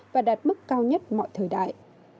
và đạt mức cao nhất mọi thời đại